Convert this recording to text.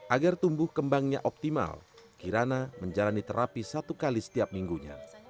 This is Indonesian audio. agar tumbuh kembangnya optimal kirana menjalani terapi satu kali setiap minggunya